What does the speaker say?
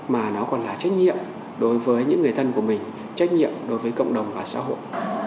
mà nó còn là trách nhiệm đối với những người thân của mình trách nhiệm đối với cộng đồng và xã hội